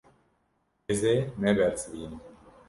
Ez ê nebersivînim.